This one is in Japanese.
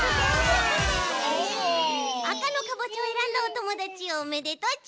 赤のかぼちゃをえらんだおともだちおめでとち！